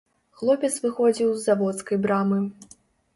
Хлопец выходзіў з заводскай брамы.